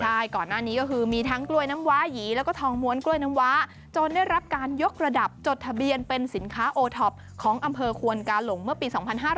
ใช่ก่อนหน้านี้ก็คือมีทั้งกล้วยน้ำว้าหยีแล้วก็ทองม้วนกล้วยน้ำว้าจนได้รับการยกระดับจดทะเบียนเป็นสินค้าโอท็อปของอำเภอควนกาหลงเมื่อปี๒๕๕๙